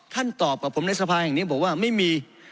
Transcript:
ตอบกับผมในสภาแห่งนี้บอกว่าไม่มี